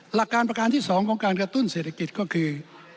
หลักการประการที่๒ของการกระตุ้นเศรษฐกิจก็คือ